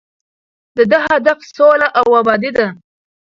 د ده هدف سوله او ابادي ده.